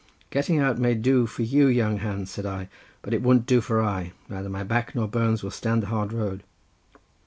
"'Getting out may do for you young hands,' says I, 'but it won't do for I; neither my back nor bones will stand the hard road.